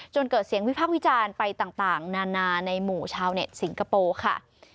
เกิดเสียงวิพากษ์วิจารณ์ไปต่างนานาในหมู่ชาวเน็ตสิงคโปร์ค่ะ